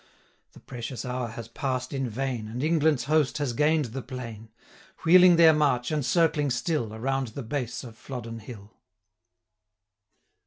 The precious hour has pass'd in vain, And England's host has gain'd the plain; Wheeling their march, and circling still, Around the base of Flodden hill.